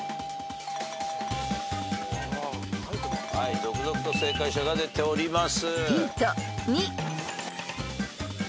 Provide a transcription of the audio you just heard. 続々と正解者が出ております。